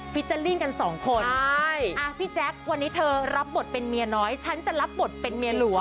ฟิเจอร์ลิ่งกันสองคนพี่แจ๊ควันนี้เธอรับบทเป็นเมียน้อยฉันจะรับบทเป็นเมียหลวง